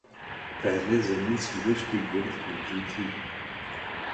پہلے زمین سورج کے گرد گھومتی تھی۔